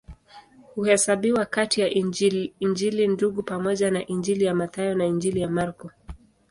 Huhesabiwa kati ya Injili Ndugu pamoja na Injili ya Mathayo na Injili ya Marko.